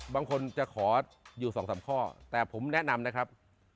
บางคนจะขออยู่๒๓ข้อแต่ผมแนะนำนะครับ